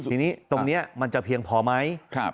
อันนี้ตรงเนี่ยมันจะเพียงพอไหมครับ